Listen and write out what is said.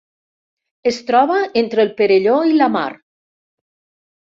Es troba entre el Perelló i la mar.